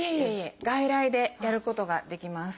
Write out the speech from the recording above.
外来でやることができます。